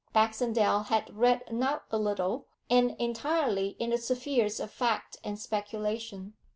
Baxendale had read not a little, and entirely in the spheres of fact and speculation.